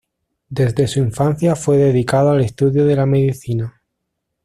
Desde su infancia fue dedicado al estudio de la medicina.